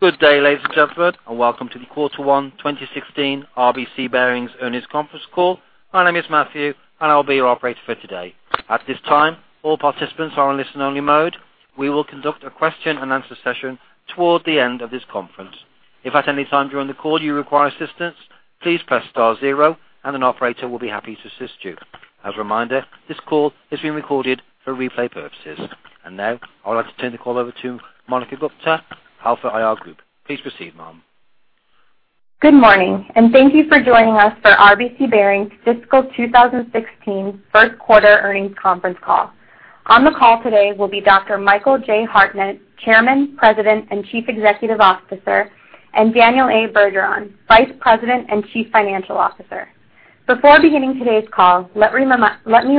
Good day, ladies and gentlemen, and welcome to the Quarter One 2016 RBC Bearings Earnings Conference Call. My name is Matthew, and I'll be your operator for today. At this time, all participants are in listen-only mode. We will conduct a question-and-answer session toward the end of this conference. If at any time during the call you require assistance, please press star zero, and an operator will be happy to assist you. As a reminder, this call is being recorded for replay purposes. Now I would like to turn the call over to Monica Gupta, Alpha IR Group. Please proceed, Ma'am. Good morning, and thank you for joining us for RBC Bearings' fiscal 2016 first-quarter earnings conference call. On the call today will be Dr. Michael J. Hartnett, Chairman, President, and Chief Executive Officer, and Daniel A. Bergeron, Vice President and Chief Financial Officer. Before beginning today's call, let me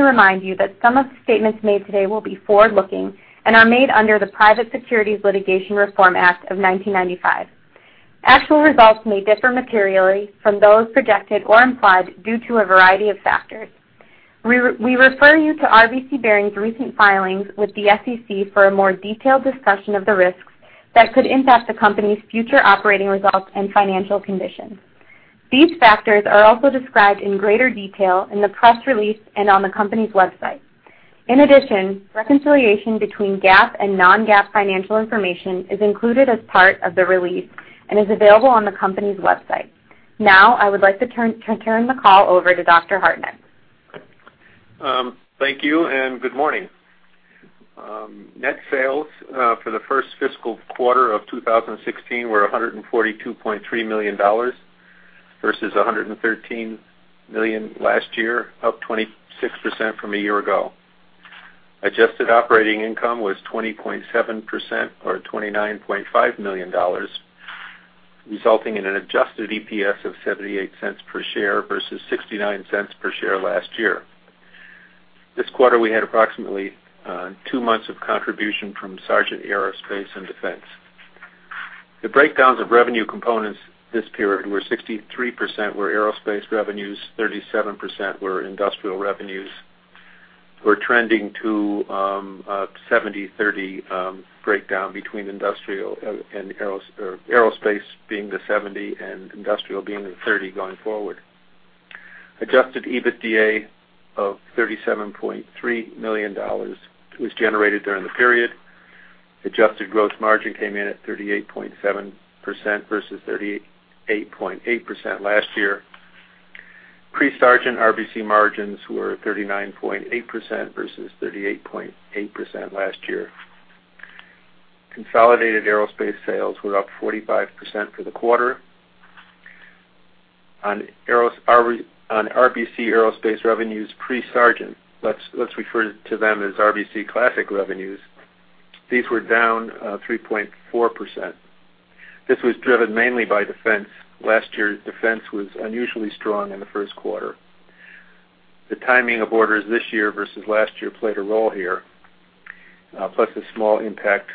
remind you that some of the statements made today will be forward-looking and are made under the Private Securities Litigation Reform Act of 1995. Actual results may differ materially from those projected or implied due to a variety of factors. We refer you to RBC Bearings' recent filings with the SEC for a more detailed discussion of the risks that could impact the company's future operating results and financial conditions. These factors are also described in greater detail in the press release and on the company's website. In addition, reconciliation between GAAP and non-GAAP financial information is included as part of the release and is available on the company's website. Now I would like to turn the call over to Dr. Hartnett. Thank you, and good morning. Net sales for the first fiscal quarter of 2016 were $142.3 million versus $113 million last year, up 26% from a year ago. Adjusted operating income was 20.7% or $29.5 million, resulting in an adjusted EPS of $0.78 per share versus $0.69 per share last year. This quarter we had approximately two months of contribution from Sargent Aerospace & Defense. The breakdowns of revenue components this period were 63% aerospace revenues, 37% industrial revenues, trending to a 70/30 breakdown between industrial and aerospace being the 70 and industrial being the 30 going forward. Adjusted EBITDA of $37.3 million was generated during the period. Adjusted gross margin came in at 38.7% versus 38.8% last year. Pre-Sargent RBC margins were 39.8% versus 38.8% last year. Consolidated aerospace sales were up 45% for the quarter. On RBC aerospace revenues pre-Sargent - let's refer to them as RBC Classic revenues - these were down 3.4%. This was driven mainly by Defense. Last year Defense was unusually strong in the first quarter. The timing of orders this year versus last year played a role here, plus a small impact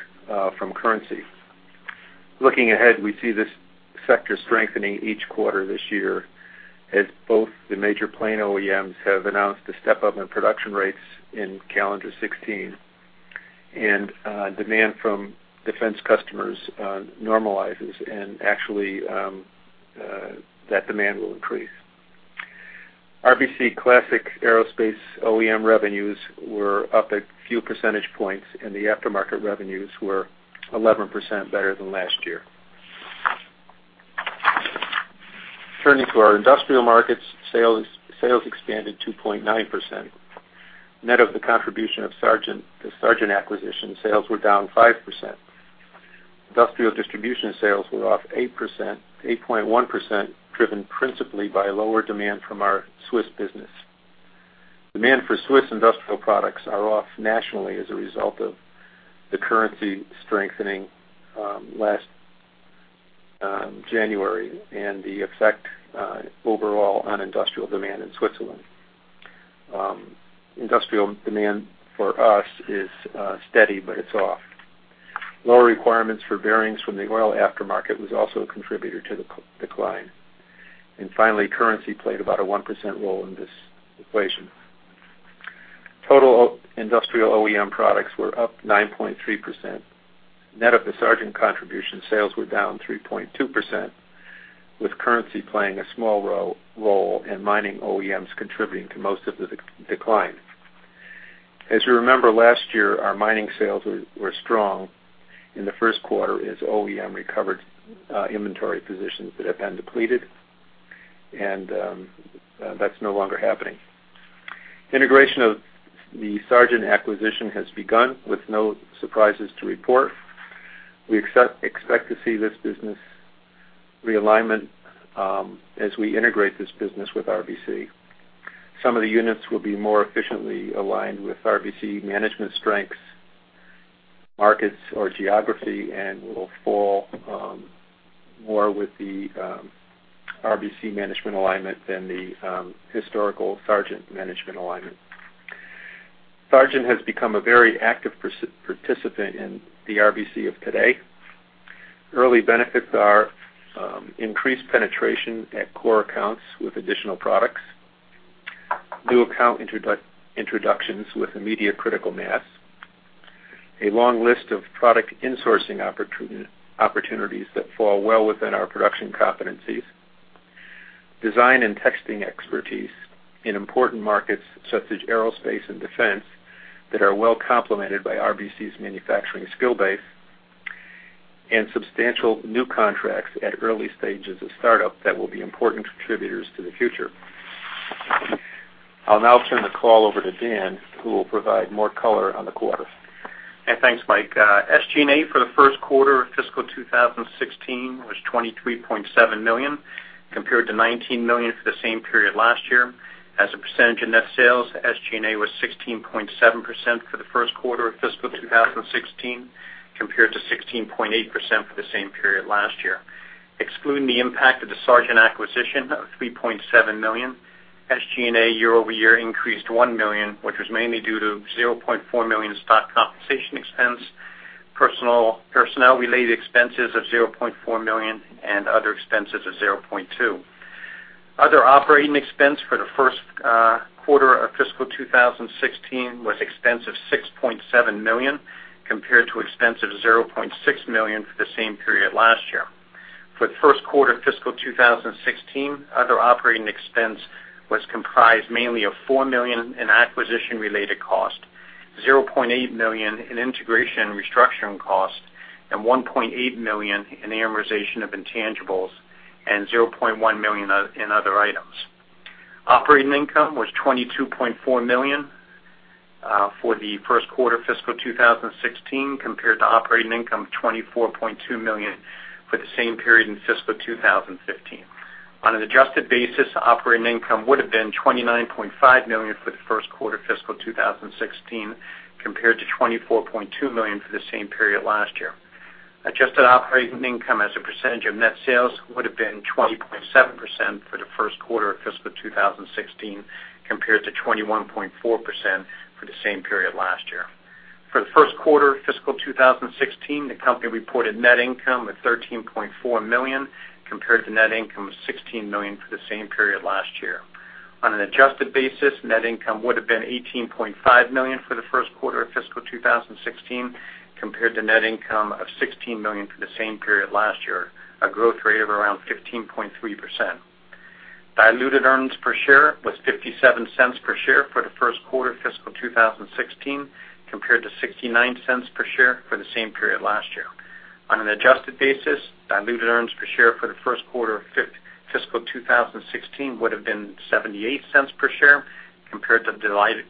from currency. Looking ahead, we see this sector strengthening each quarter this year as both the major plane OEMs have announced a step-up in production rates in calendar 2016, and demand from Defense customers normalizes, and actually that demand will increase. RBC Classic aerospace OEM revenues were up a few percentage points, and the aftermarket revenues were 11% better than last year. Turning to our industrial markets, sales expanded 2.9%. Net of the contribution of the Sargent acquisition, sales were down 5%. Industrial distribution sales were off 8.1%, driven principally by lower demand from our Swiss business. Demand for Swiss industrial products are off nationally as a result of the currency strengthening last January and the effect overall on industrial demand in Switzerland. Industrial demand for us is steady, but it's off. Lower requirements for bearings from the oil aftermarket was also a contributor to the decline. And finally, currency played about a 1% role in this equation. Total industrial OEM products were up 9.3%. Net of the Sargent contribution, sales were down 3.2%, with currency playing a small role and mining OEMs contributing to most of the decline. As you remember, last year our mining sales were strong. In the first quarter, OEM recovered inventory positions that had been depleted, and that's no longer happening. Integration of the Sargent acquisition has begun, with no surprises to report. We expect to see this business realignment as we integrate this business with RBC. Some of the units will be more efficiently aligned with RBC management strengths, markets, or geography, and will fall more with the RBC management alignment than the historical Sargent management alignment. Sargent has become a very active participant in the RBC of today. Early benefits are increased penetration at core accounts with additional products, new account introductions with immediate critical mass, a long list of product insourcing opportunities that fall well within our production competencies, design and testing expertise in important markets such as aerospace and defense that are well complemented by RBC's manufacturing skill base, and substantial new contracts at early stages of startup that will be important contributors to the future. I'll now turn the call over to Dan, who will provide more color on the quarter. And thanks, Mike. SG&A for the first quarter of fiscal 2016 was $23.7 million, compared to $19 million for the same period last year. As a percentage of net sales, SG&A was 16.7% for the first quarter of fiscal 2016, compared to 16.8% for the same period last year. Excluding the impact of the Sargent acquisition of $3.7 million, SG&A year-over-year increased $1 million, which was mainly due to $0.4 million stock compensation expense, personnel-related expenses of $0.4 million, and other expenses of $0.2. Other operating expense for the first quarter of fiscal 2016 was expense of $6.7 million, compared to expense of $0.6 million for the same period last year. For the first quarter of fiscal 2016, other operating expense was comprised mainly of $4 million in acquisition-related cost, $0.8 million in integration and restructuring cost, and $1.8 million in amortization of intangibles, and $0.1 million in other items. Operating income was $22.4 million for the first quarter of fiscal 2016, compared to operating income of $24.2 million for the same period in fiscal 2015. On an adjusted basis, operating income would have been $29.5 million for the first quarter of fiscal 2016, compared to $24.2 million for the same period last year. Adjusted operating income as a percentage of net sales would have been 20.7% for the first quarter of fiscal 2016, compared to 21.4% for the same period last year. For the first quarter of fiscal 2016, the company reported net income of $13.4 million, compared to net income of $16 million for the same period last year. On an adjusted basis, net income would have been $18.5 million for the first quarter of fiscal 2016, compared to net income of $16 million for the same period last year, a growth rate of around 15.3%. Diluted earnings per share was $0.57 for the first quarter of fiscal 2016, compared to $0.69 for the same period last year. On an adjusted basis, diluted earnings per share for the first quarter of fiscal 2016 would have been $0.78, compared to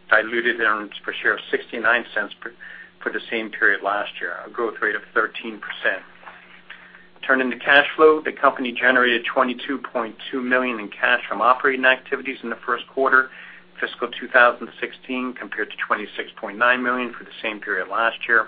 diluted earnings per share of $0.69 for the same period last year, a growth rate of 13%. Turning to cash flow, the company generated $22.2 million in cash from operating activities in the first quarter of fiscal 2016, compared to $26.9 million for the same period last year.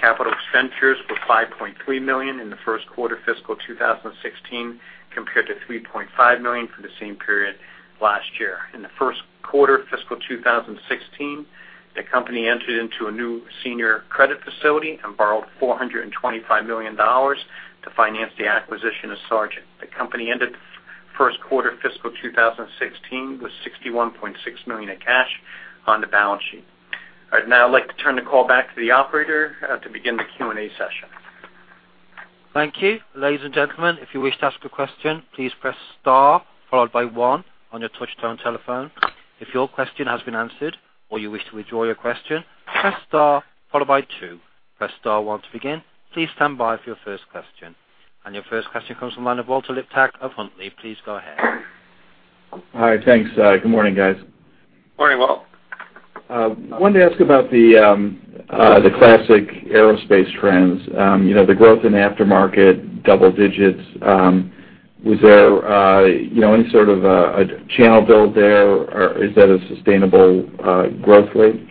Capital expenditures were $5.3 million in the first quarter of fiscal 2016, compared to $3.5 million for the same period last year. In the first quarter of fiscal 2016, the company entered into a new senior credit facility and borrowed $425 million to finance the acquisition of Sargent. The company ended first quarter of fiscal 2016 with $61.6 million in cash on the balance sheet. I'd now like to turn the call back to the operator to begin the Q&A session. Thank you. Ladies and gentlemen, if you wish to ask a question, please press star followed by one on your touch-tone telephone. If your question has been answered or you wish to withdraw your question, press star followed by two. Press star one to begin. Please stand by for your first question. Your first question comes from the line of Walter Liptak of Global Hunter Securities. Please go ahead. Hi. Thanks. Good morning, guys. Morning, Walt. I wanted to ask about the classic aerospace trends, the growth in aftermarket, double digits. Was there any sort of a channel build there, or is that a sustainable growth rate?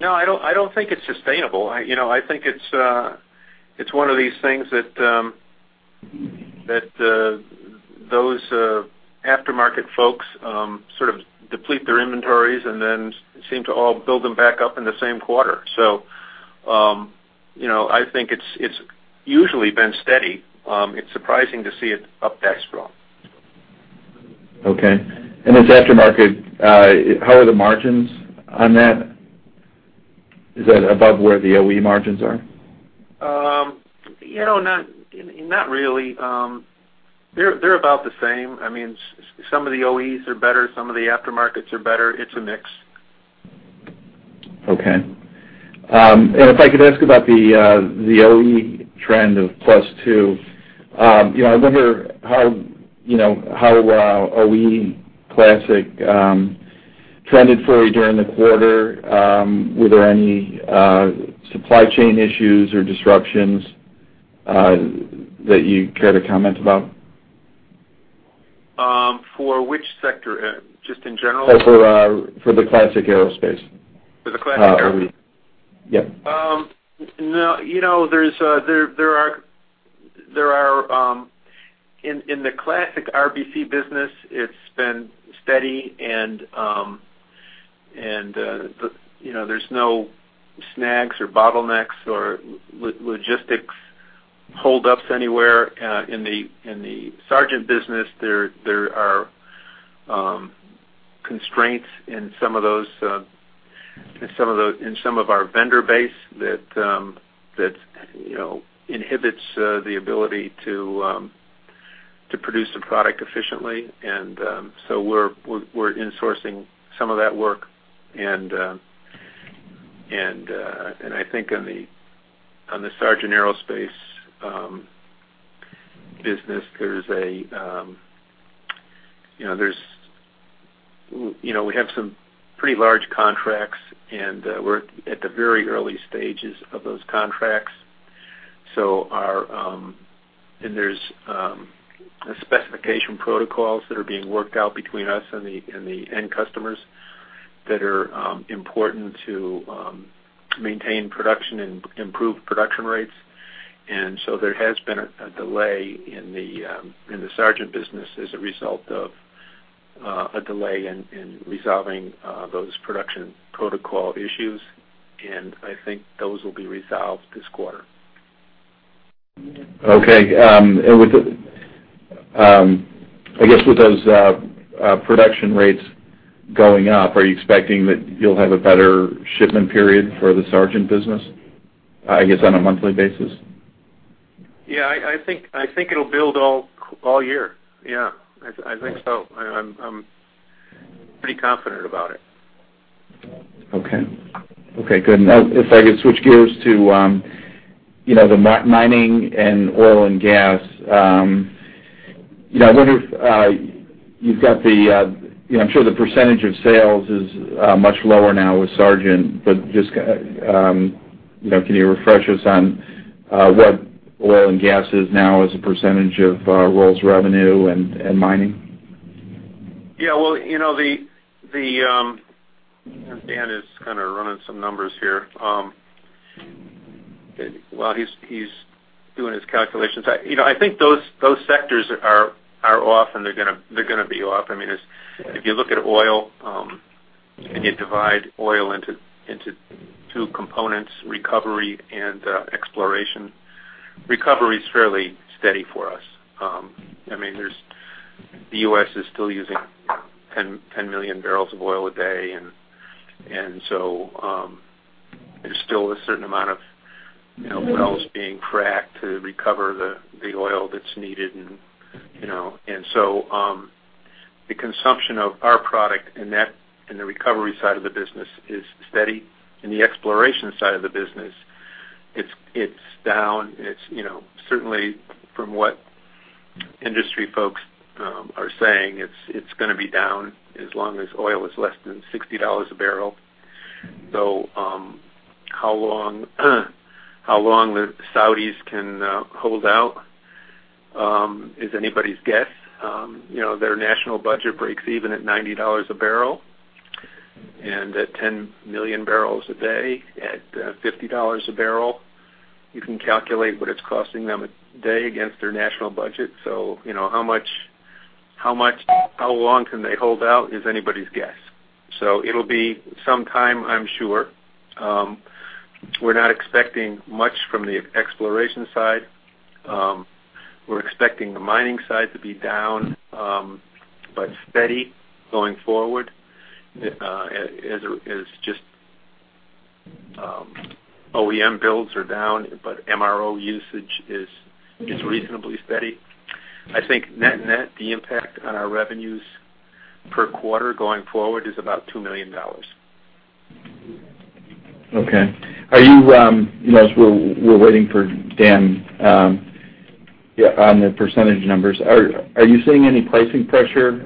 No, I don't think it's sustainable. I think it's one of these things that those aftermarket folks sort of deplete their inventories and then seem to all build them back up in the same quarter. So I think it's usually been steady. It's surprising to see it up that strong. Okay. And this aftermarket, how are the margins on that? Is that above where the OE margins are? Not really. They're about the same. I mean, some of the OEs are better. Some of the aftermarkets are better. It's a mix. Okay. If I could ask about the OE trend of +2, I wonder how OE Classic trended for you during the quarter. Were there any supply chain issues or disruptions that you care to comment about? For which sector? Just in general? For the classic aerospace. For the Classic aerospace? Yep. No, there are in the Classic RBC business; it's been steady, and there's no snags or bottlenecks or logistics holdups anywhere. In the Sargent business, there are constraints in some of those in some of our vendor base that inhibits the ability to produce the product efficiently. And so we're insourcing some of that work. And I think on the Sargent aerospace business, there's a, we have some pretty large contracts, and we're at the very early stages of those contracts. And there's specification protocols that are being worked out between us and the end customers that are important to maintain production and improve production rates. And so there has been a delay in the Sargent business as a result of a delay in resolving those production protocol issues. And I think those will be resolved this quarter. Okay. I guess with those production rates going up, are you expecting that you'll have a better shipment period for the Sargent business, I guess, on a monthly basis? Yeah. I think it'll build all year. Yeah. I think so. I'm pretty confident about it. Okay. Okay. Good. And if I could switch gears to the mining and oil and gas, I wonder if you've got—I'm sure the percentage of sales is much lower now with Sargent, but just can you refresh us on what oil and gas is now as a percentage of ROLL's revenue and mining? Yeah. Well, Dan is kind of running some numbers here. Well, he's doing his calculations. I think those sectors are off, and they're going to be off. I mean, if you look at oil and you divide oil into two components, recovery and exploration, recovery is fairly steady for us. I mean, the U.S. is still using 10 million barrels of oil a day, and so there's still a certain amount of wells being fracked to recover the oil that's needed. And so the consumption of our product and the recovery side of the business is steady. In the exploration side of the business, it's down. Certainly, from what industry folks are saying, it's going to be down as long as oil is less than $60 a barrel. So how long the Saudis can hold out is anybody's guess. Their national budget breaks even at $90 a barrel. At 10 million barrels a day, at $50 a barrel, you can calculate what it's costing them a day against their national budget. So how much, how long can they hold out is anybody's guess. So it'll be some time, I'm sure. We're not expecting much from the exploration side. We're expecting the mining side to be down but steady going forward as just OEM builds are down, but MRO usage is reasonably steady. I think net and net, the impact on our revenues per quarter going forward is about $2 million. Okay. As we're waiting for Dan on the percentage numbers, are you seeing any pricing pressure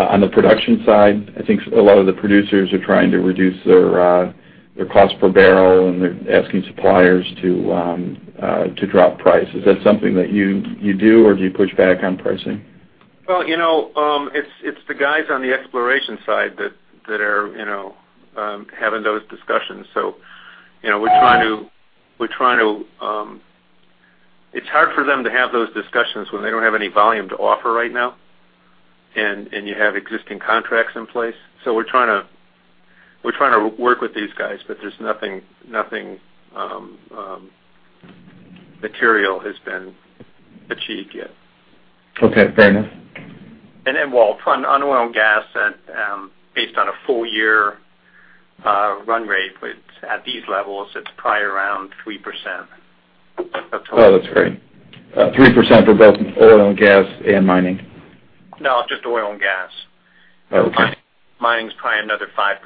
on the production side? I think a lot of the producers are trying to reduce their cost per barrel, and they're asking suppliers to drop prices. Is that something that you do, or do you push back on pricing? Well, it's the guys on the exploration side that are having those discussions. So it's hard for them to have those discussions when they don't have any volume to offer right now, and you have existing contracts in place. So we're trying to work with these guys, but there's nothing material has been achieved yet. Okay. Fair enough. Walt, on oil and gas, based on a full-year run rate, at these levels, it's probably around 3% of total. Oh, that's great. 3% for both oil and gas and mining? No, just oil and gas. Mining's probably another 5%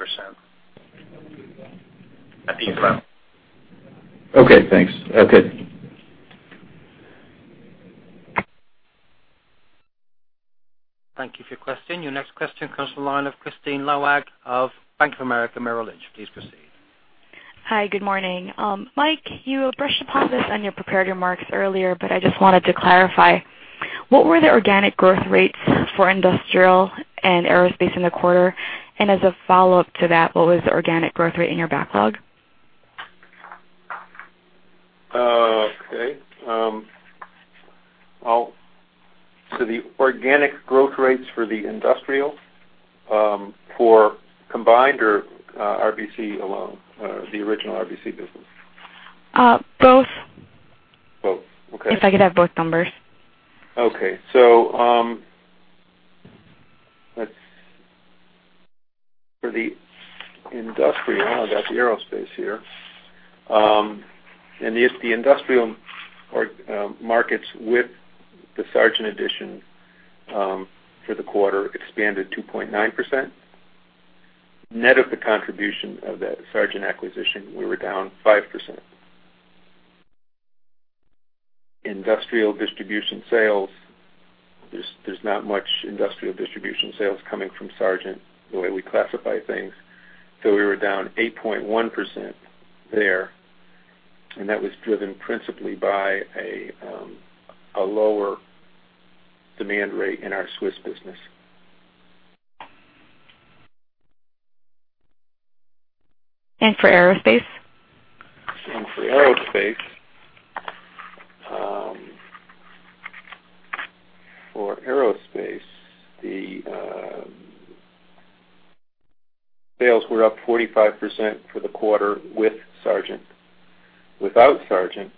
at these levels. Okay. Thanks. Okay. Thank you for your question. Your next question comes from line of Kristine Liwag of Bank of America Merrill Lynch. Please proceed. Hi. Good morning. Mike, you brushed upon this and you prepared your marks earlier, but I just wanted to clarify. What were the organic growth rates for industrial and aerospace in the quarter? And as a follow-up to that, what was the organic growth rate in your backlog? Okay. So the organic growth rates for the industrial for combined or RBC alone, the original RBC business? Both. Both. Okay. If I could have both numbers. Okay. So for the industrial, I've got the aerospace here. And if the industrial markets with the Sargent addition for the quarter expanded 2.9%, net of the contribution of that Sargent acquisition, we were down 5%. Industrial distribution sales, there's not much industrial distribution sales coming from Sargent the way we classify things. So we were down 8.1% there, and that was driven principally by a lower demand rate in our Swiss business. And for aerospace? For aerospace, the sales were up 45% for the quarter without Sargent.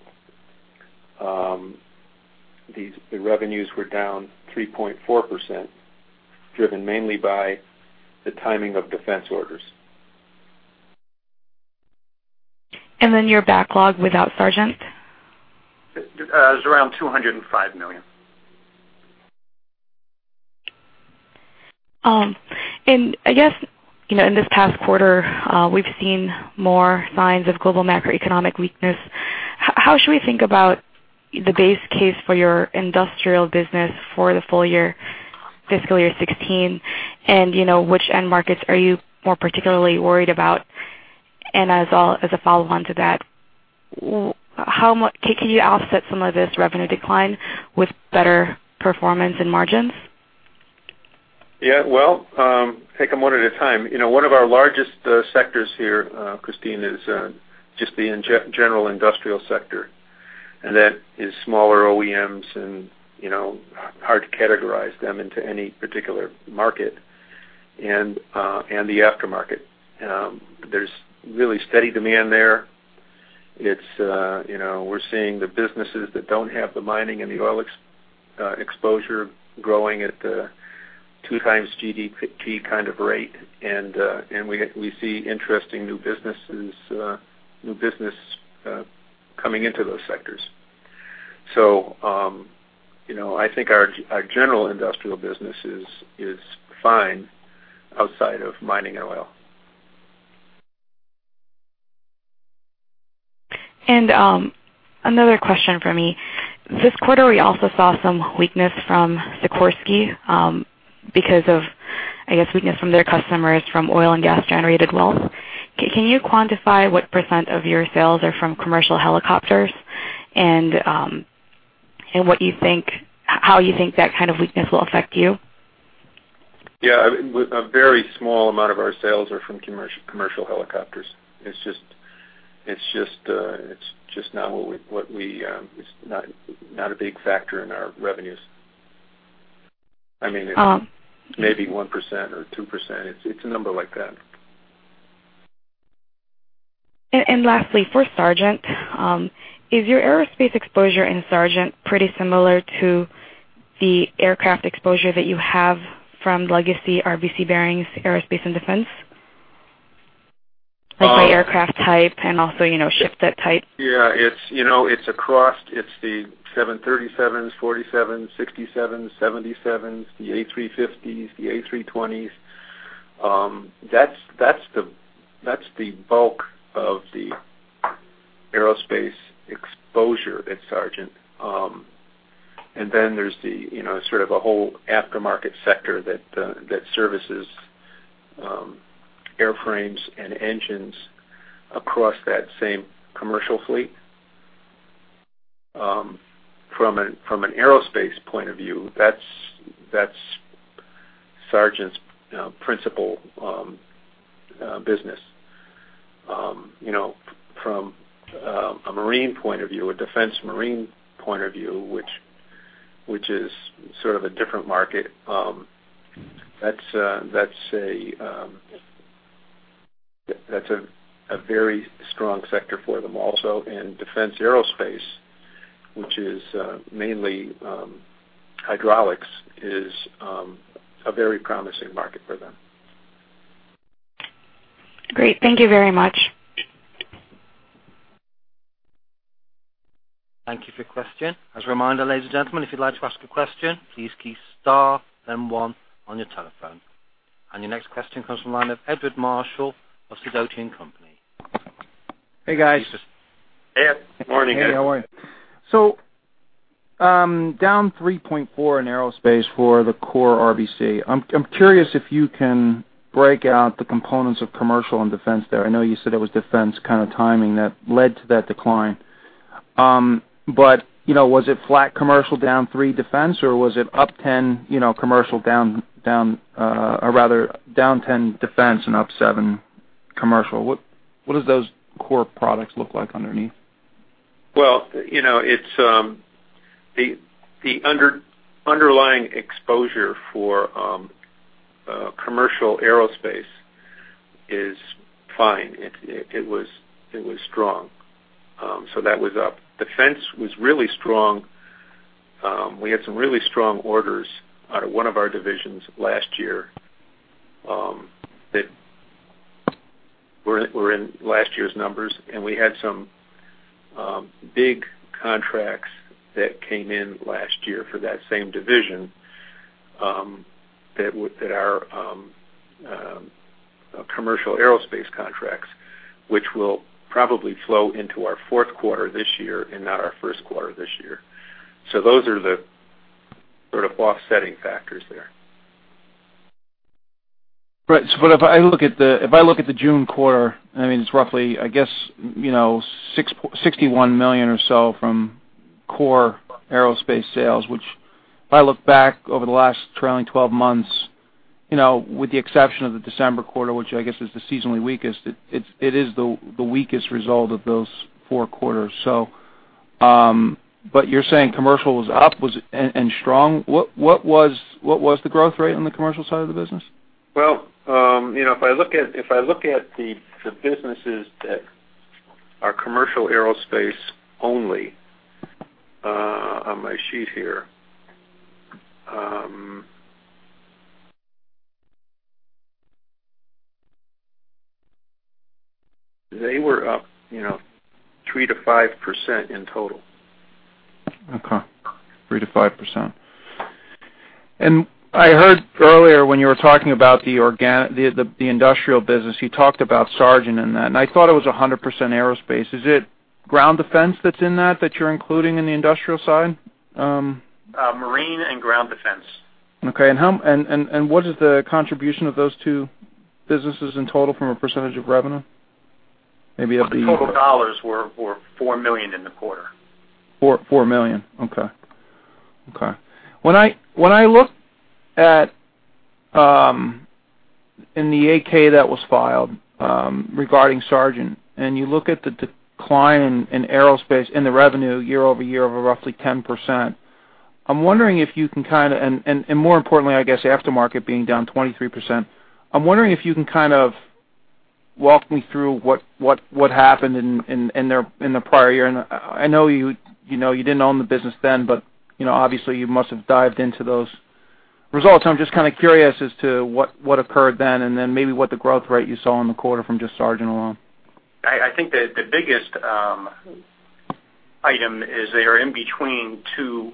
The revenues were down 3.4%, driven mainly by the timing of defense orders. And then your backlog without Sargent? It was around $205 million. I guess in this past quarter, we've seen more signs of global macroeconomic weakness. How should we think about the base case for your industrial business for the full year, fiscal year 2016, and which end markets are you more particularly worried about? As a follow-on to that, can you offset some of this revenue decline with better performance and margins? Yeah. Well, take them one at a time. One of our largest sectors here, Kristine, is just the general industrial sector. And that is smaller OEMs, and hard to categorize them into any particular market, and the aftermarket. There's really steady demand there. We're seeing the businesses that don't have the mining and the oil exposure growing at the two-times GDP kind of rate. And we see interesting new businesses coming into those sectors. So I think our general industrial business is fine outside of mining and oil. Another question for me. This quarter, we also saw some weakness from Sikorsky because of, I guess, weakness from their customers from oil and gas-generated wealth. Can you quantify what percent of your sales are from commercial helicopters and how you think that kind of weakness will affect you? Yeah. A very small amount of our sales are from commercial helicopters. It's just not a big factor in our revenues. I mean, maybe 1% or 2%. It's a number like that. Lastly, for Sargent, is your aerospace exposure in Sargent pretty similar to the aircraft exposure that you have from legacy RBC Bearings aerospace and defense by aircraft type and also shipset type? Yeah. It's across. It's the 737s, 747s, 767s, 777s, the A350s, the A320s. That's the bulk of the aerospace exposure at Sargent. And then there's sort of a whole aftermarket sector that services airframes and engines across that same commercial fleet. From an aerospace point of view, that's Sargent's principal business. From a marine point of view, a defense marine point of view, which is sort of a different market, that's a very strong sector for them also. And defense aerospace, which is mainly hydraulics, is a very promising market for them. Great. Thank you very much. Thank you for your question. As a reminder, ladies and gentlemen, if you'd like to ask a question, please keep star and one on your telephone. Your next question comes from line of Edward Marshall of Sidoti & Company. Hey, guys. Hey. Good morning, guys. Hey. How are you? So down 3.4% in aerospace for the core RBC. I'm curious if you can break out the components of commercial and defense there. I know you said it was defense kind of timing that led to that decline. But was it flat commercial down 3% defense, or was it up 10% commercial down or rather down 10% defense and up 7% commercial? What does those core products look like underneath? Well, the underlying exposure for commercial aerospace is fine. It was strong. So that was up. Defense was really strong. We had some really strong orders out of one of our divisions last year that were in last year's numbers. And we had some big contracts that came in last year for that same division that are commercial aerospace contracts, which will probably flow into our fourth quarter this year and not our first quarter this year. So those are the sort of offsetting factors there. Right. So if I look at the June quarter, I mean, it's roughly, I guess, $61 million or so from core aerospace sales, which if I look back over the last trailing 12 months, with the exception of the December quarter, which I guess is the seasonally weakest, it is the weakest result of those four quarters. But you're saying commercial was up and strong. What was the growth rate on the commercial side of the business? Well, if I look at the businesses that are commercial aerospace only on my sheet here, they were up 3%-5% in total. Okay. 3%-5%. And I heard earlier when you were talking about the industrial business, you talked about Sargent in that. And I thought it was 100% aerospace. Is it ground defense that's in that that you're including in the industrial side? Marine and ground defense. Okay. And what is the contribution of those two businesses in total from a percentage of revenue? Maybe of the. The total dollars were $4 million in the quarter. $4 million. Okay. Okay. When I look at in the 8-K that was filed regarding Sargent, and you look at the decline in aerospace and the revenue year-over-year of roughly 10%, I'm wondering if you can kind of and more importantly, I guess, aftermarket being down 23%, I'm wondering if you can kind of walk me through what happened in the prior year. And I know you didn't own the business then, but obviously, you must have dived into those results. I'm just kind of curious as to what occurred then and then maybe what the growth rate you saw in the quarter from just Sargent alone. I think that the biggest item is they are in between two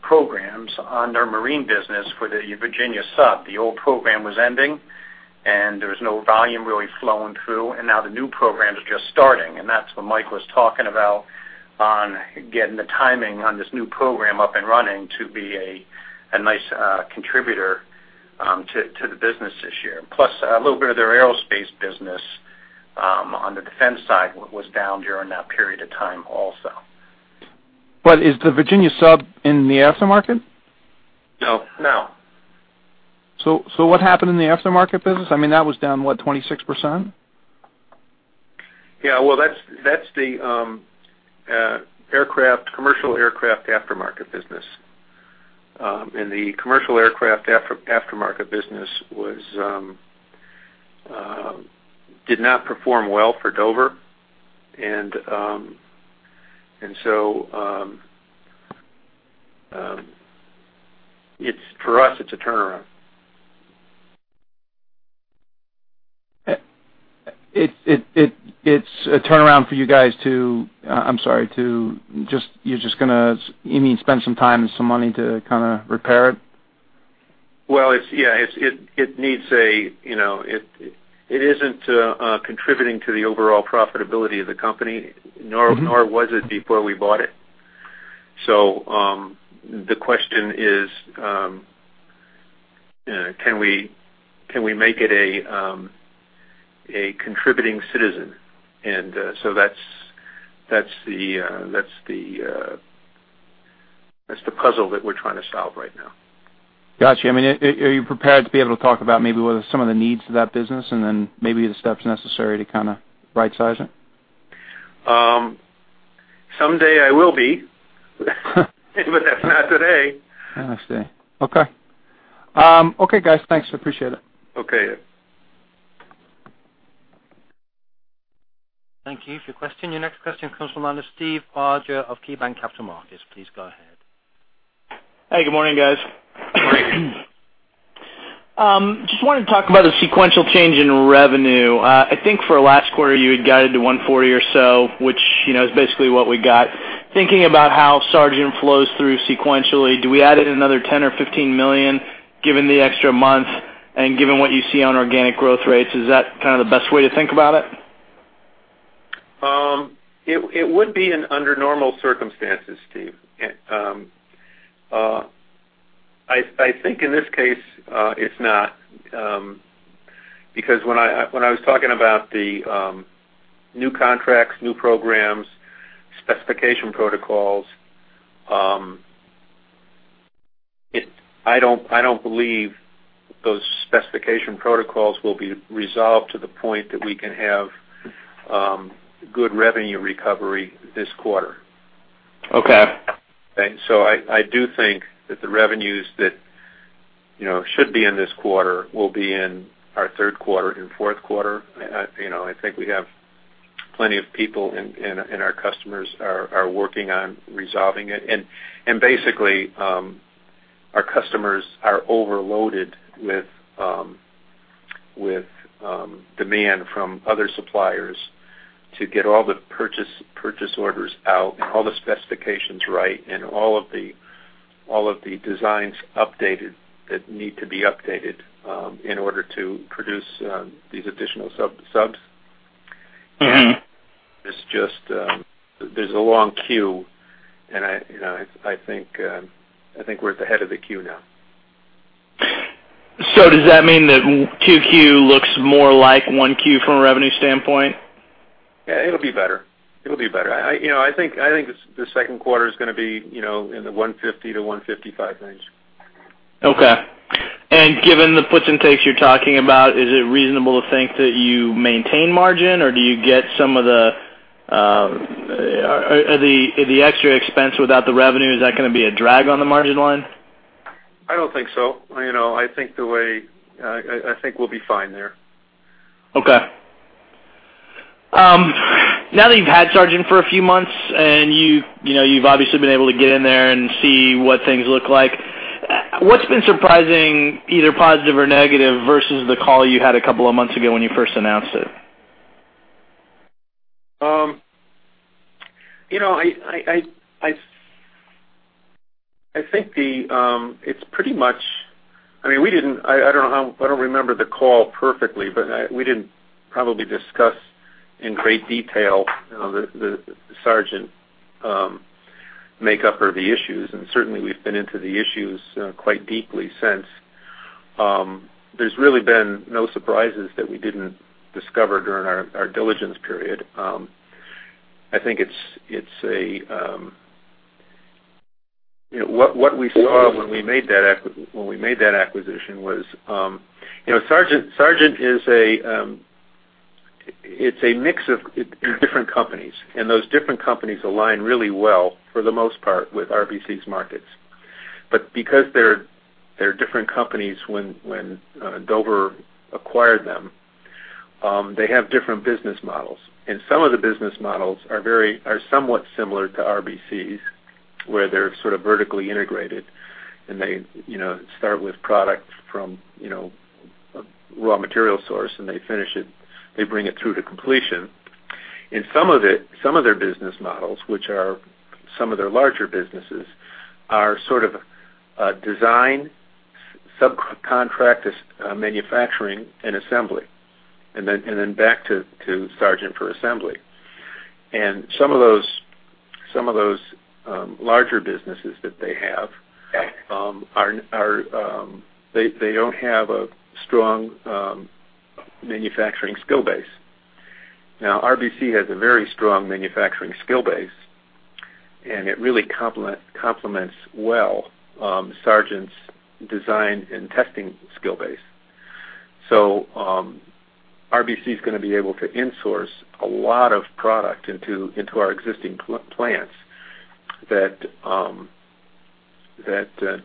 programs on their marine business for the Virginia sub. The old program was ending, and there was no volume really flowing through. And now the new program is just starting. And that's what Mike was talking about on getting the timing on this new program up and running to be a nice contributor to the business this year. Plus, a little bit of their aerospace business on the defense side was down during that period of time also. But is the Virginia sub in the aftermarket? No. No. What happened in the aftermarket business? I mean, that was down, what, 26%? Yeah. Well, that's the commercial aircraft aftermarket business. The commercial aircraft aftermarket business did not perform well for Dover. So for us, it's a turnaround. It's a turnaround for you guys to, I'm sorry, to just you're just going to, you mean, spend some time and some money to kind of repair it? Well, yeah. It isn't contributing to the overall profitability of the company, nor was it before we bought it. So the question is, can we make it a contributing citizen? And so that's the puzzle that we're trying to solve right now. Gotcha. I mean, are you prepared to be able to talk about maybe some of the needs of that business and then maybe the steps necessary to kind of right-size it? Someday, I will be, but that's not today. I see. Okay. Okay, guys. Thanks. I appreciate it. Okay. Thank you for your question. Your next question comes from line of Steve Barger of KeyBanc Capital Markets. Please go ahead. Hey. Good morning, guys. Good morning. Just wanted to talk about the sequential change in revenue. I think for last quarter, you had got it to 140 or so, which is basically what we got. Thinking about how Sargent flows through sequentially, do we add in another $10 million or $15 million given the extra month and given what you see on organic growth rates? Is that kind of the best way to think about it? It would be under normal circumstances, Steve. I think in this case, it's not because when I was talking about the new contracts, new programs, specification protocols, I don't believe those specification protocols will be resolved to the point that we can have good revenue recovery this quarter. So I do think that the revenues that should be in this quarter will be in our third quarter and fourth quarter. I think we have plenty of people, and our customers are working on resolving it. Basically, our customers are overloaded with demand from other suppliers to get all the purchase orders out and all the specifications right and all of the designs updated that need to be updated in order to produce these additional subs. There's a long queue, and I think we're at the head of the queue now. Does that mean that 2Q looks more like 1Q from a revenue standpoint? Yeah. It'll be better. It'll be better. I think the second quarter is going to be in the $150-$155 range. Okay. And given the puts and takes you're talking about, is it reasonable to think that you maintain margin, or do you get some of the extra expense without the revenue, is that going to be a drag on the margin line? I don't think so. I think the way I think we'll be fine there. Okay. Now that you've had Sargent for a few months, and you've obviously been able to get in there and see what things look like, what's been surprising, either positive or negative, versus the call you had a couple of months ago when you first announced it? I think it's pretty much, I mean, I don't remember the call perfectly, but we didn't probably discuss in great detail the Sargent makeup or the issues. And certainly, we've been into the issues quite deeply since. There's really been no surprises that we didn't discover during our diligence period. I think it's what we saw when we made that acquisition was Sargent is a it's a mix of different companies. And those different companies align really well, for the most part, with RBC's markets. But because they're different companies, when Dover acquired them, they have different business models. And some of the business models are somewhat similar to RBC's, where they're sort of vertically integrated. And they start with product from a raw material source, and they finish it they bring it through to completion. Some of their business models, which are some of their larger businesses, are sort of design, subcontract manufacturing, and assembly, and then back to Sargent for assembly. And some of those larger businesses that they have are, they don't have a strong manufacturing skill base. Now, RBC has a very strong manufacturing skill base, and it really complements well Sargent's design and testing skill base. So RBC's going to be able to insource a lot of product into our existing plants that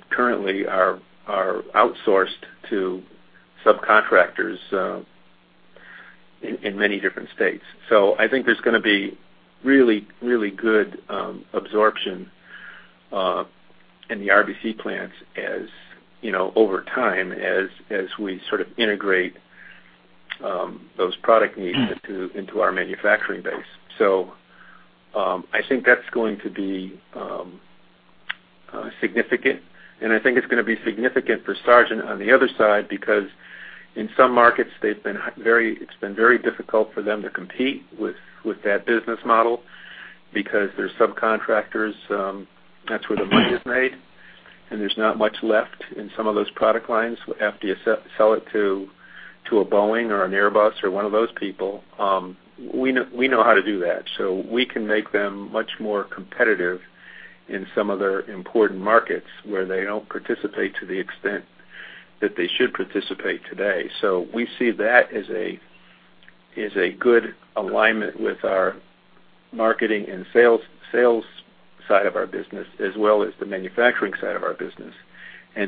currently are outsourced to subcontractors in many different states. So I think there's going to be really, really good absorption in the RBC plants over time as we sort of integrate those product needs into our manufacturing base. So I think that's going to be significant. I think it's going to be significant for Sargent on the other side because in some markets, it's been very difficult for them to compete with that business model because there's subcontractors. That's where the money is made. There's not much left in some of those product lines. After you sell it to a Boeing or an Airbus or one of those people, we know how to do that. We can make them much more competitive in some of their important markets where they don't participate to the extent that they should participate today. We see that as a good alignment with our marketing and sales side of our business as well as the manufacturing side of our business.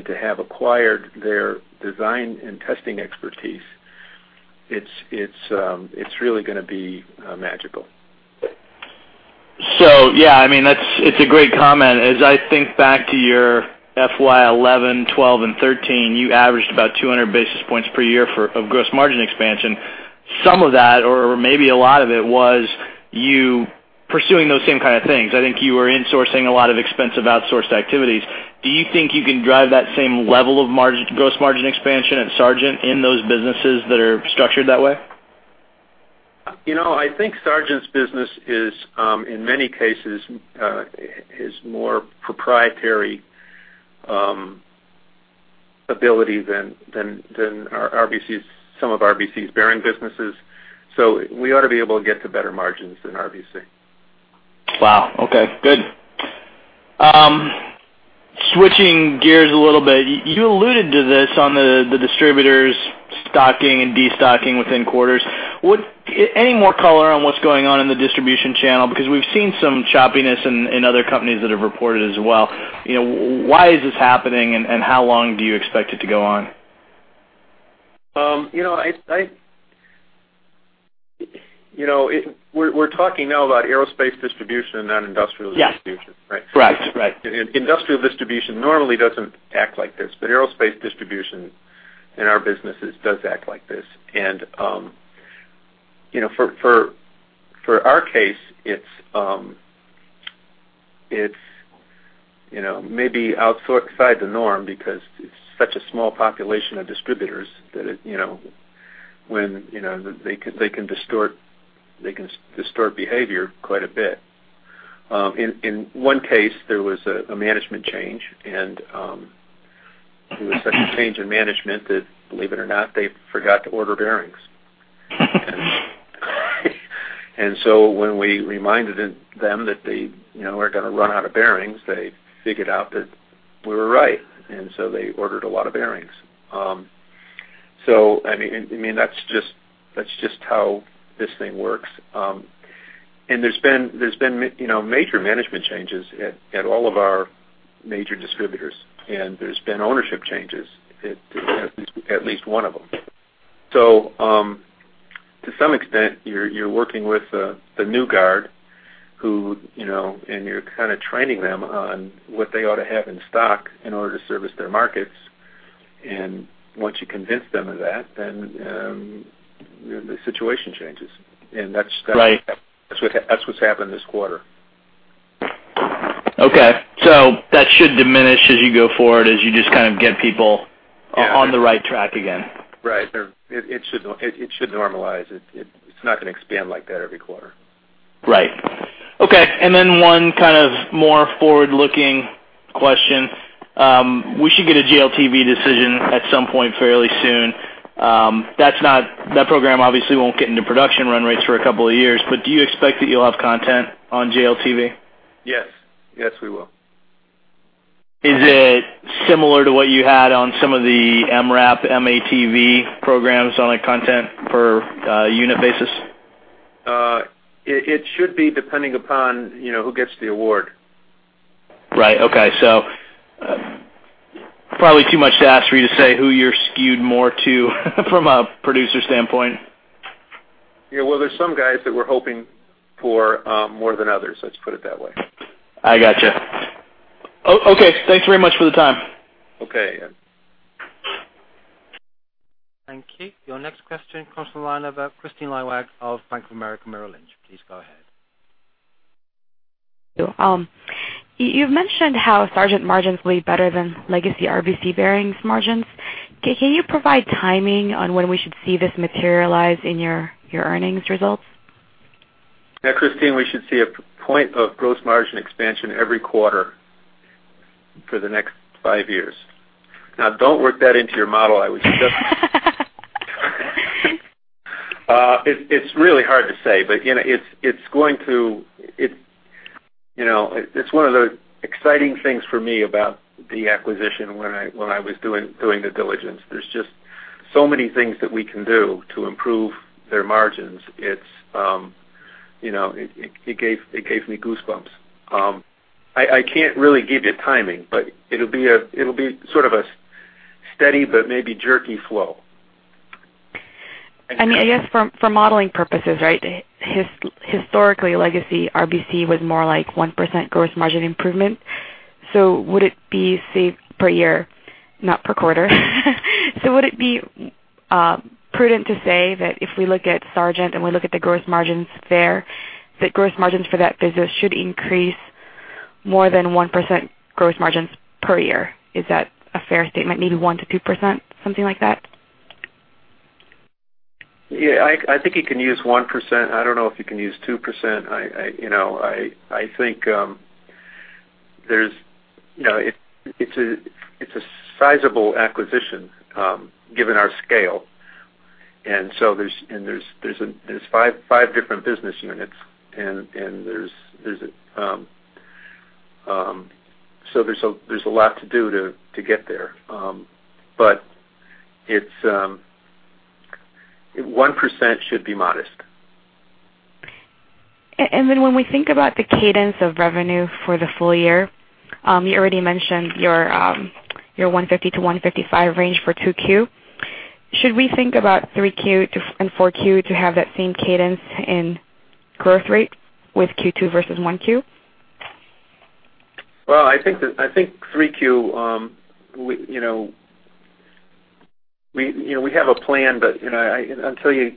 To have acquired their design and testing expertise, it's really going to be magical. So yeah. I mean, it's a great comment. As I think back to your FY2011, 2012, and 2013, you averaged about 200 basis points per year of gross margin expansion. Some of that, or maybe a lot of it, was you pursuing those same kind of things. I think you were insourcing a lot of expensive outsourced activities. Do you think you can drive that same level of gross margin expansion at Sargent in those businesses that are structured that way? I think Sargent's business is, in many cases, his more proprietary ability than some of RBC's bearing businesses. So we ought to be able to get to better margins than RBC. Wow. Okay. Good. Switching gears a little bit, you alluded to this on the distributors' stocking and destocking within quarters. Any more color on what's going on in the distribution channel? Because we've seen some choppiness in other companies that have reported as well. Why is this happening, and how long do you expect it to go on? We're talking now about aerospace distribution and non-industrial distribution, right? Yes. Correct. Correct. Industrial distribution normally doesn't act like this, but aerospace distribution in our businesses does act like this. For our case, it's maybe outside the norm because it's such a small population of distributors that when they can distort behavior quite a bit. In one case, there was a management change. It was such a change in management that, believe it or not, they forgot to order bearings. So when we reminded them that they were going to run out of bearings, they figured out that we were right. So they ordered a lot of bearings. I mean, that's just how this thing works. There's been major management changes at all of our major distributors. There's been ownership changes, at least one of them. To some extent, you're working with the new guard, and you're kind of training them on what they ought to have in stock in order to service their markets. Once you convince them of that, then the situation changes. That's what's happened this quarter. Okay. So that should diminish as you go forward as you just kind of get people on the right track again. Right. It should normalize. It's not going to expand like that every quarter. Right. Okay. And then one kind of more forward-looking question. We should get a JLTV decision at some point fairly soon. That program, obviously, won't get into production run rates for a couple of years. But do you expect that you'll have content on JLTV? Yes. Yes, we will. Is it similar to what you had on some of the MRAP, M-ATV programs on a content-per-unit basis? It should be depending upon who gets the award. Right. Okay. So probably too much to ask for you to say who you're skewed more to from a producer standpoint. Yeah. Well, there's some guys that we're hoping for more than others. Let's put it that way. I gotcha. Okay. Thanks very much for the time. Okay. Yeah. Thank you. Your next question comes from line of Kristine Liwag of Bank of America Merrill Lynch. Please go ahead. You've mentioned how Sargent margins will be better than legacy RBC Bearings margins. Can you provide timing on when we should see this materialize in your earnings results? Yeah, Christine, we should see a point of gross margin expansion every quarter for the next five years. Now, don't work that into your model, I would suggest. It's really hard to say, but it's going to, it's one of the exciting things for me about the acquisition when I was doing the diligence. There's just so many things that we can do to improve their margins. It gave me goosebumps. I can't really give you timing, but it'll be sort of a steady but maybe jerky flow. I mean, I guess for modeling purposes, right, historically, legacy RBC was more like 1% gross margin improvement. So would it be per year, not per quarter so would it be prudent to say that if we look at Sargent and we look at the gross margins there, that gross margins for that business should increase more than 1% gross margins per year? Is that a fair statement, maybe 1%-2%, something like that? Yeah. I think you can use 1%. I don't know if you can use 2%. I think it's a sizable acquisition given our scale. And so there's 5 different business units, and there's a lot to do to get there. But 1% should be modest. Then when we think about the cadence of revenue for the full year, you already mentioned your $150-$155 range for 2Q. Should we think about 3Q and 4Q to have that same cadence in growth rate with Q2 versus 1Q? Well, I think 3Q we have a plan, but until you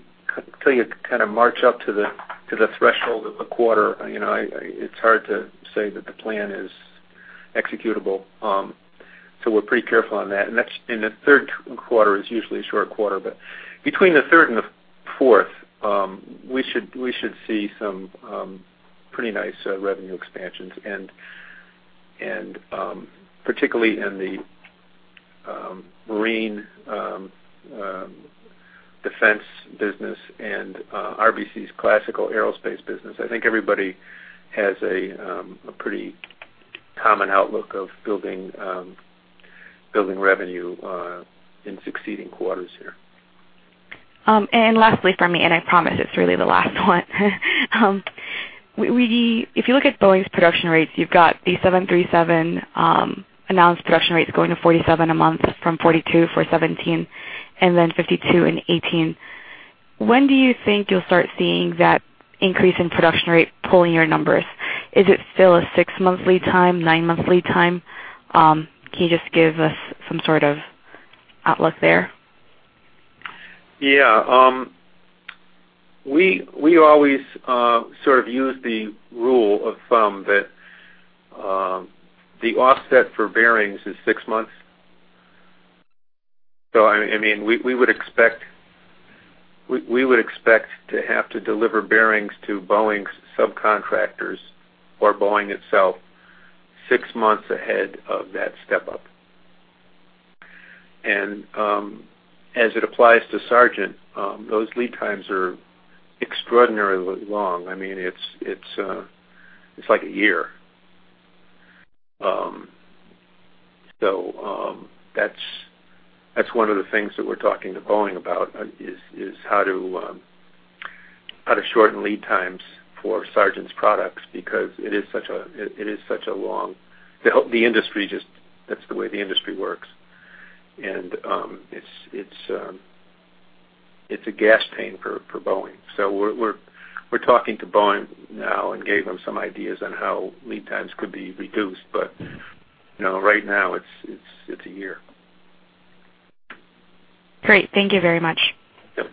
kind of march up to the threshold of the quarter, it's hard to say that the plan is executable. So we're pretty careful on that. And the third quarter is usually a short quarter. But between the third and the fourth, we should see some pretty nice revenue expansions, particularly in the marine defense business and RBC's classical aerospace business. I think everybody has a pretty common outlook of building revenue in succeeding quarters here. And lastly from me, and I promise it's really the last one, if you look at Boeing's production rates, you've got the 737 announced production rates going to 47 a month from 42 for 2017 and then 52 in 2018. When do you think you'll start seeing that increase in production rate pulling your numbers? Is it still a six-monthly time, nine-monthly time? Can you just give us some sort of outlook there? Yeah. We always sort of use the rule of thumb that the offset for bearings is six months. So I mean, we would expect to have to deliver bearings to Boeing's subcontractors or Boeing itself six months ahead of that step-up. And as it applies to Sargent, those lead times are extraordinarily long. I mean, it's like a year. So that's one of the things that we're talking to Boeing about, is how to shorten lead times for Sargent's products because it is such a long that's the way the industry works. And it's a gas pain for Boeing. So we're talking to Boeing now and gave them some ideas on how lead times could be reduced. But right now, it's a year. Great. Thank you very much. Yep.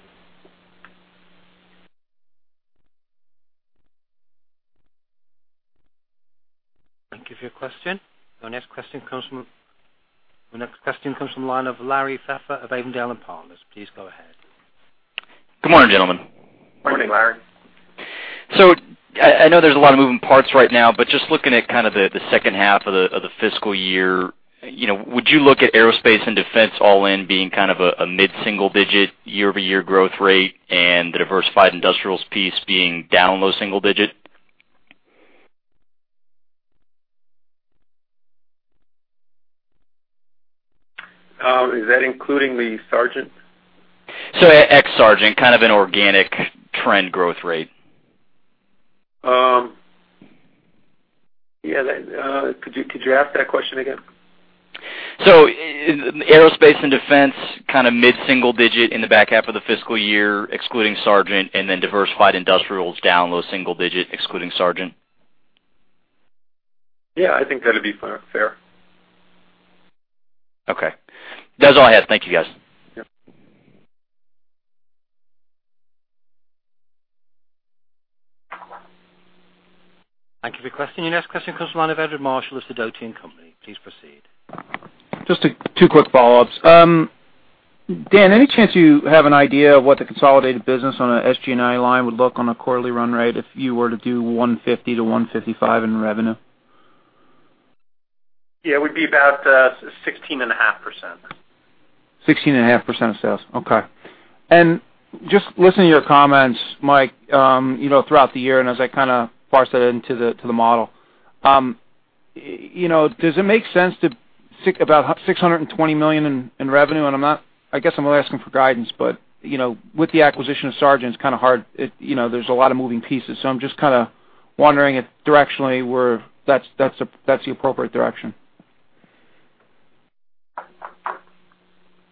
Thank you for your question. Your next question comes from the line of Peter Skibitski of Avondale Partners. Please go ahead. Good morning, gentlemen. Morning, Larry. I know there's a lot of moving parts right now, but just looking at kind of the second half of the fiscal year, would you look at aerospace and defense all-in being kind of a mid-single-digit year-over-year growth rate and the diversified industrials piece being down on those single digit? Is that including the Sargent? So ex-Sargent, kind of an organic trend growth rate. Yeah. Could you ask that question again? Aerospace and defense, kind of mid-single digit in the back half of the fiscal year excluding Sargent, and then diversified industrials down on those single digit excluding Sargent? Yeah. I think that'll be fair. Okay. That's all I have. Thank you, guys. Yep. Thank you for your question. Your next question comes from line of Edward Marshall of Sidoti & Company. Please proceed. Just two quick follow-ups. Dan, any chance you have an idea of what the consolidated business on a SG&A line would look like on a quarterly run rate if you were to do $150-$155 in revenue? Yeah. It would be about 16.5%. 16.5% of sales. Okay. And just listening to your comments, Mike, throughout the year and as I kind of parse that into the model, does it make sense to about $620 million in revenue? And I guess I'm only asking for guidance, but with the acquisition of Sargent, it's kind of hard. There's a lot of moving pieces. So I'm just kind of wondering if directionally, that's the appropriate direction.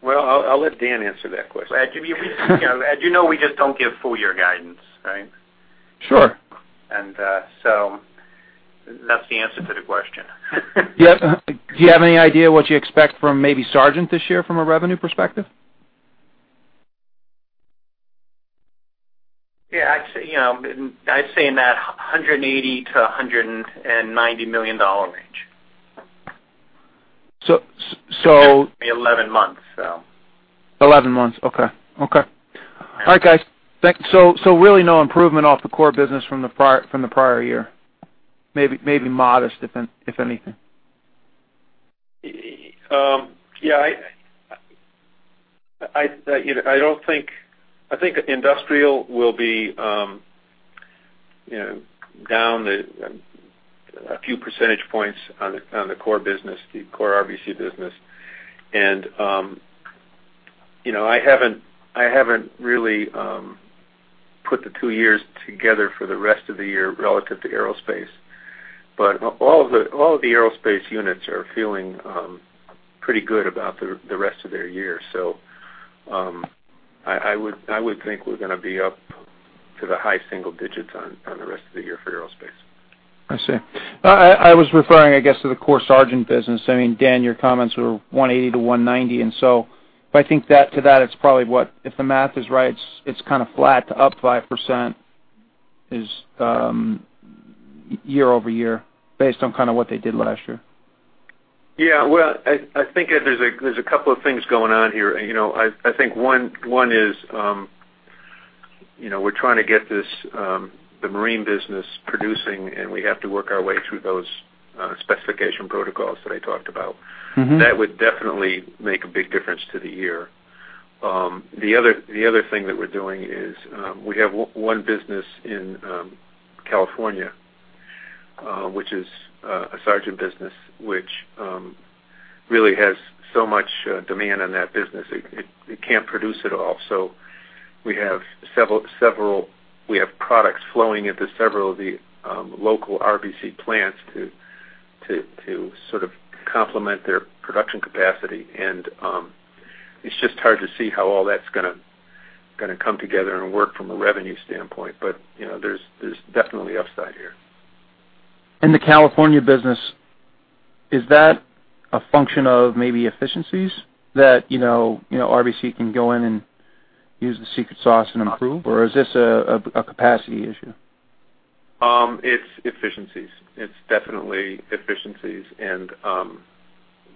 Well, I'll let Dan answer that question. Right. As you know, we just don't give full-year guidance, right? Sure. That's the answer to the question. Yep. Do you have any idea what you expect from maybe Sargent this year from a revenue perspective? Yeah. I'd say in that $180 million-$190 million range. So. It'd be 11 months, so. 11 months. Okay. Okay. All right, guys. So really no improvement off the core business from the prior year, maybe modest if anything. Yeah. I don't think industrial will be down a few percentage points on the core business, the core RBC business. I haven't really put the two years together for the rest of the year relative to aerospace. All of the aerospace units are feeling pretty good about the rest of their year. I would think we're going to be up to the high single digits on the rest of the year for aerospace. I see. I was referring, I guess, to the core Sargent business. I mean, Dan, your comments were $180-$190. And so I think to that, it's probably what if the math is right, it's kind of flat to up 5% year-over-year based on kind of what they did last year. Yeah. Well, I think there's a couple of things going on here. I think one is we're trying to get the marine business producing, and we have to work our way through those specification protocols that I talked about. That would definitely make a big difference to the year. The other thing that we're doing is we have one business in California, which is a Sargent business, which really has so much demand on that business, it can't produce at all. So we have several products flowing into several of the local RBC plants to sort of complement their production capacity. And it's just hard to see how all that's going to come together and work from a revenue standpoint. But there's definitely upside here. The California business, is that a function of maybe efficiencies that RBC can go in and use the secret sauce and improve? Or is this a capacity issue? It's efficiencies. It's definitely efficiencies. And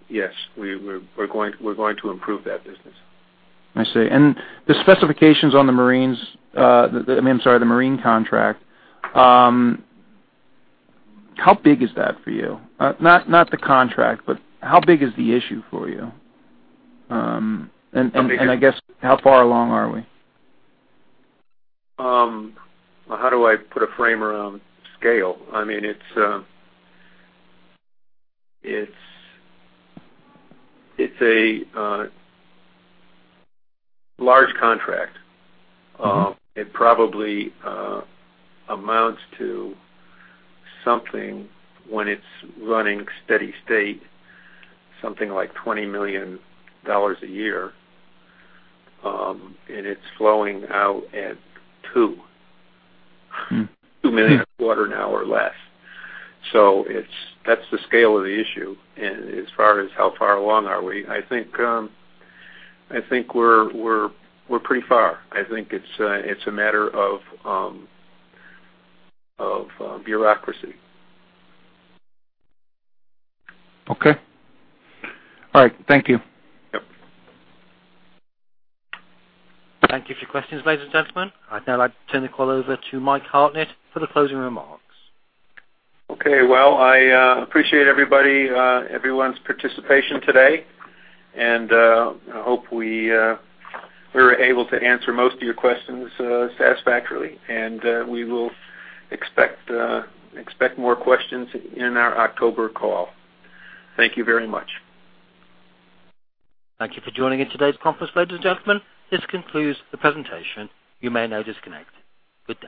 yes, we're going to improve that business. I see. And the specifications on the marines I mean, I'm sorry, the marine contract, how big is that for you? Not the contract, but how big is the issue for you? And I guess, how far along are we? Well, how do I put a frame around scale? I mean, it's a large contract. It probably amounts to something when it's running steady state, something like $20 million a year. It's flowing out at $2 million a quarter an hour or less. That's the scale of the issue. As far as how far along are we, I think we're pretty far. I think it's a matter of bureaucracy. Okay. All right. Thank you. Yep. Thank you for your questions, ladies and gentlemen. Now, I'd turn the call over to Mike Hartnett for the closing remarks. Okay. Well, I appreciate everyone's participation today. I hope we were able to answer most of your questions satisfactorily. We will expect more questions in our October call. Thank you very much. Thank you for joining in today's conference, ladies and gentlemen. This concludes the presentation. You may now disconnect. Good.